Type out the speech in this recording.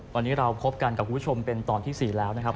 วันนี้เราพบกันกับคุณผู้ชมเป็นตอนที่๔แล้วนะครับ